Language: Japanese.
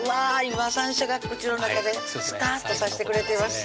今山椒が口の中でスカーッとさしてくれています